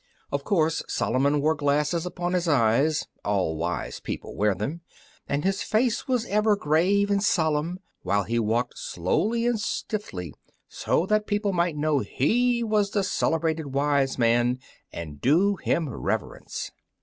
Of course Solomon wore glasses upon his eyes all wise people wear them, and his face was ever grave and solemn, while he walked slowly and stiffly so that people might know he was the celebrated wise man, and do him reverence.